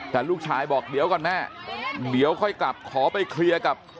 แต่ลูกชายบอกเดี๋ยวก่อนแม่เดี๋ยวค่อยกลับขอไปเคลียร์กับ